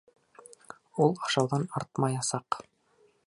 Ул ашауҙан артмаясаҡ.